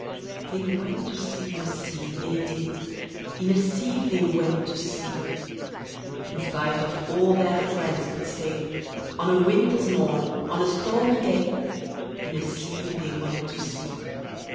They went to sea in a sieve, they did; In a sieve they went to sea: In spite of all their friends could say, On a winter's morn, on a stormy day, In a sieve they went to sea.